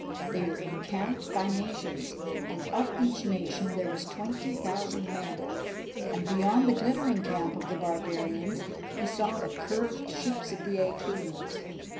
They were encamped by nations, and of each nation there was twenty thousand men, and beyond the glittering camp of the barbarians he saw the curved ships of the Achæans.